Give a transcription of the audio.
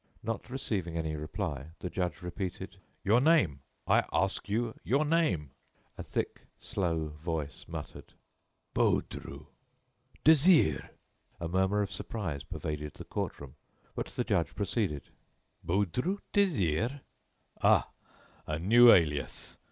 Not receiving any reply, the judge repeated: "Your name? I ask you your name?" A thick, slow voice muttered: "Baudru, Désiré." A murmur of surprise pervaded the courtroom. But the judge proceeded: "Baudru, Désiré? Ah! a new alias!